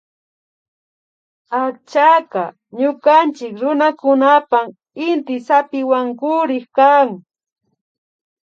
Akchaka ñukanchik runakunapan inty zapiwankurik kan